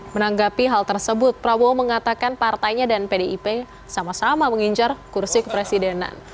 menanggapi hal tersebut prabowo mengatakan partainya dan pdip sama sama mengincar kursi kepresidenan